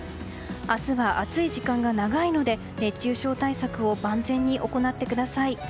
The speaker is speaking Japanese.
明日は暑い時間が長いので熱中症対策を万全に行ってください。